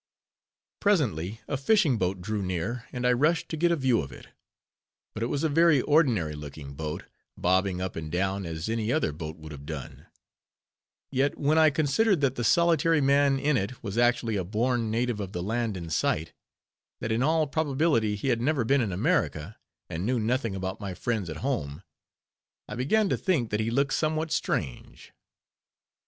Presently a fishing boat drew near, and I rushed to get a view of it; but it was a very ordinary looking boat, bobbing up and down, as any other boat would have done; yet, when I considered that the solitary man in it was actually a born native of the land in sight; that in all probability he had never been in America, and knew nothing about my friends at home, I began to think that he looked somewhat strange.